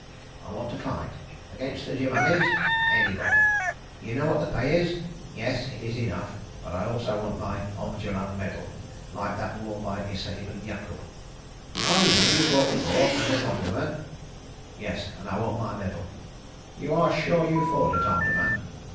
"'I want to fight.' "'Against the Germanis?' "'Anybody.' "'You know what the pay is?' "'Yes. It is enough. But I also want my Omdurman medal—like that worn by Isa ibn Yakub.' "'Oh—you have fought before? And at Omdurman.' "'Yes. And I want my medal.' "'You are sure you fought at Omdurman?